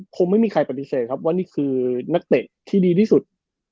คงไม่มีใครปฏิเสธครับว่านี่คือนักเตะที่ดีที่สุด